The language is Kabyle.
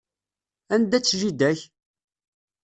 Anda-tt jida-k?